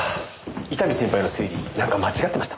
伊丹先輩の推理なんか間違ってました？